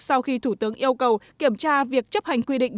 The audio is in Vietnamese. sau khi thủ tướng yêu cầu kiểm tra việc chấp hành quy định